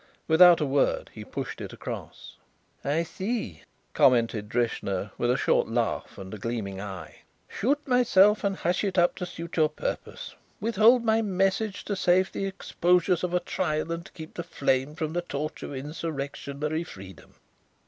Without a word he pushed it across. "I see," commented Drishna, with a short laugh and a gleaming eye. "Shoot myself and hush it up to suit your purpose. Withhold my message to save the exposures of a trial, and keep the flame from the torch of insurrectionary freedom."